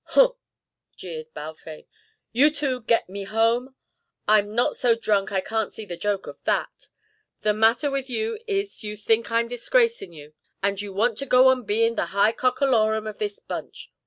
"Huh!" jeered Balfame, "you two get me home! I'm not so drunk I can't see the joke of that. The matter with you is you think I'm disgracin' you, and you want to go on bein' the high cock alorum of this bunch.